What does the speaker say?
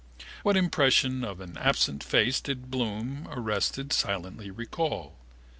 What impression of an absent face did Bloom, arrested, silently recall?